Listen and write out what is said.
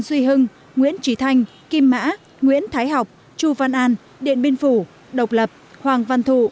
duy hưng nguyễn trí thanh kim mã nguyễn thái học chu văn an điện biên phủ độc lập hoàng văn thụ